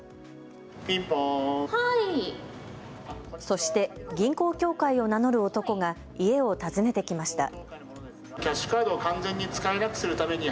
そして、銀行協会を名乗る男が家を訪ねてきました。